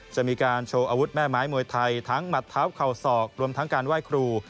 จะมีการโชว์อาวุธแม่ไม้มวยไทยทั้งหมัดเท้าเข่าศอกรวมทั้งการไหว้ครู